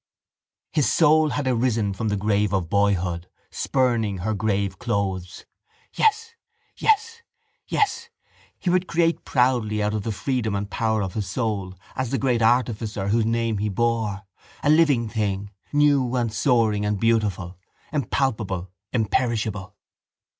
His soul had arisen from the grave of boyhood, spurning her graveclothes. Yes! Yes! Yes! He would create proudly out of the freedom and power of his soul, as the great artificer whose name he bore, a living thing, new and soaring and beautiful, impalpable, imperishable.